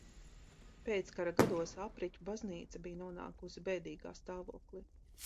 Pēckara gados Apriķu baznīca bija nonākusi bēdīgā stāvoklī.